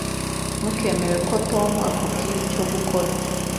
Ntukemere ko Tom akubwira icyo gukora.